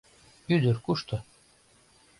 — Ӱдыр кушто?